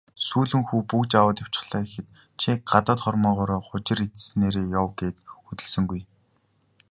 "Сүүлэн хүү бөгж аваад явчихлаа" гэхэд "Чи гадаад хормойгоор хужир идсэнээрээ яв" гээд хөдөлсөнгүй.